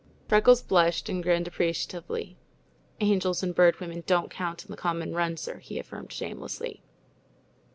Freckles blushed and grinned appreciatively. "Angels and Bird Women don't count in the common run, sir," he affirmed shamelessly.